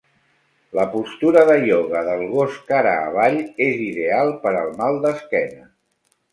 La postura de Yoga del gos cara avall és ideal per al mal d'esquena.